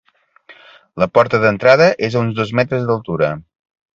La porta d'entrada és a uns dos metres d'altura.